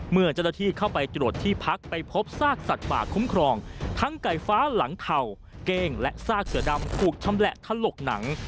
เมื่อเจ้าหน้าที่เข้าไปตรวจที่พักไปพบซากสัตว์ป่าคุ้มครองทั้งไก่ฟ้าหลังเข่าเก้งและซากเสือดำถูกชำแหละถลกหนัง